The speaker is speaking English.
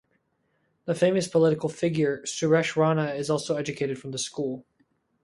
The famous political figure Suresh Rana is also educated from this School.